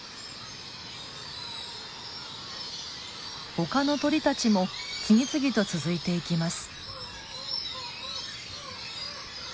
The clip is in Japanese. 他の鳥たちも次々と続いていきます。